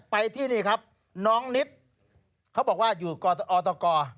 ไปที่นี่ครับน้องนิดเขาบอกว่าอยู่อตก